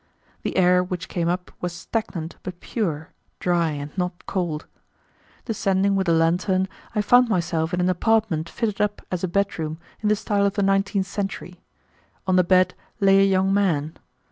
The air which came up was stagnant but pure, dry and not cold. Descending with a lantern, I found myself in an apartment fitted up as a bedroom in the style of the nineteenth century. On the bed lay a young man.